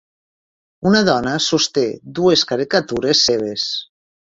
Una dona sosté dues caricatures seves.